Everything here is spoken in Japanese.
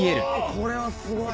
これはすごい！